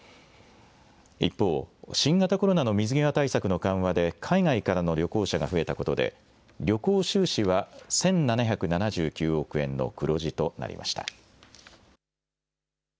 一方、新型コロナの水際対策の緩和で海外からの旅行者が増えたことで、旅行収支は１７７９億円の黒字となりました。